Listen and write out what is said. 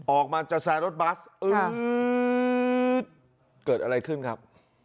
ออกมาจะแซร์รถบัสอึ๊ดเกิดอะไรขึ้นครับ